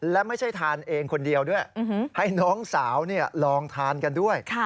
และไม่ใช่ทานเองคนเดียวด้วยให้น้องสาวลองทานกันด้วย